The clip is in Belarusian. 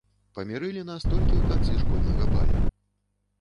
Памірылі нас толькі ў канцы школьнага балю.